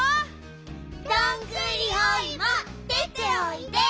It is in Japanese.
どんぐりおいもでておいで！